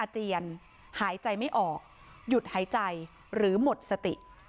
เจียนหายใจไม่ออกหยุดหายใจหรือหมดสติ